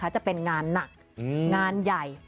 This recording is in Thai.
จะเป็นงานหนักงานใหญ่